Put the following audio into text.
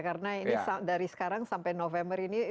karena ini dari sekarang sampai november ini